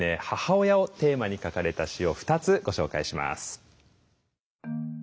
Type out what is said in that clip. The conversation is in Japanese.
母親をテーマに書かれた詩を２つご紹介します。